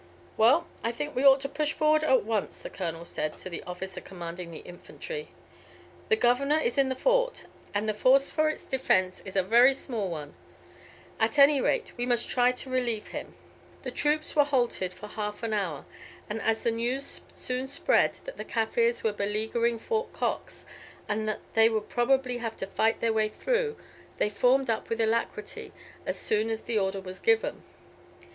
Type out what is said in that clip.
"Well, I think we ought to push forward at once," the colonel said to the officer commanding the infantry. "The Governor is in the Fort, and the force for its defence is a very small one. At any rate we must try to relieve him." The troops were halted for half an hour, and as the news soon spread that the Kaffirs were beleaguering Fort Cox, and that they would probably have to fight their way through, they formed up with alacrity as soon as the order was given.